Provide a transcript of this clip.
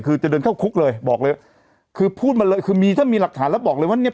คือจะเดินเข้าคุกเลยบอกเลยคือพูดมาเลยคือมีถ้ามีหลักฐานแล้วบอกเลยว่าเนี่ย